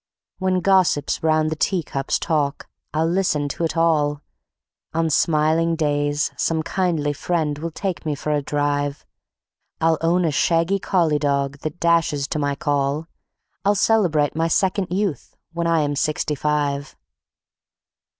When gossips round the tea cups talk I'll listen to it all; On smiling days some kindly friend will take me for a drive: I'll own a shaggy collie dog that dashes to my call: I'll celebrate my second youth when I am Sixty five.